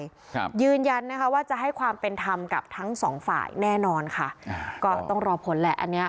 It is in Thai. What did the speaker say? ครับยืนยันนะคะว่าจะให้ความเป็นธรรมกับทั้งสองฝ่ายแน่นอนค่ะอ่าก็ต้องรอผลแหละอันเนี้ย